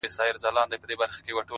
تمرکز بریا ته مستقیمه لاره ده.!